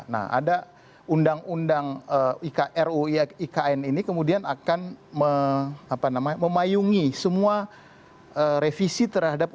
nah ada undang undang ruu ikn ini kemudian akan memayungi semua revisi terhadap